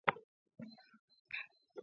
ეს ვერსია გამოვიდა საფრანგეთში.